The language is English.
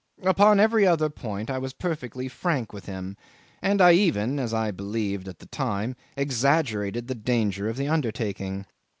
'Upon every other point I was perfectly frank with him, and I even (as I believed at the time) exaggerated the danger of the undertaking.